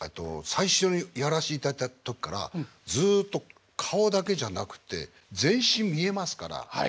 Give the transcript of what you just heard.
最初にやらしていただいた時からずっと顔だけじゃなくて全身見えますから。